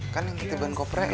kan yang ketiban kopernya lo